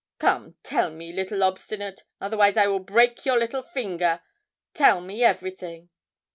Come tell me, little obstinate, otherwise I will break your little finger. Tell me everything.'